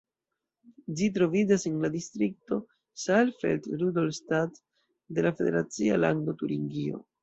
Ĝi troviĝas en la distrikto Saalfeld-Rudolstadt de la federacia lando Turingio.